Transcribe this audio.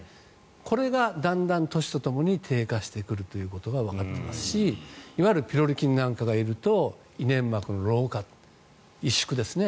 これがだんだん年とともに低下してくるということがわかっていますしいわゆるピロリ菌なんかがいると胃粘膜の老化、萎縮ですね